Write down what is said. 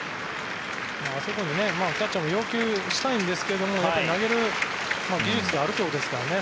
あそこにキャッチャーも要求したいんですけど投げる技術があるということですからね。